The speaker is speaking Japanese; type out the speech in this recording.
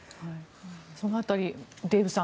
その辺り、デーブさん